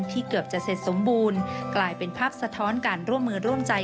เกือบจะเสร็จสมบูรณ์กลายเป็นภาพสะท้อนการร่วมมือร่วมใจ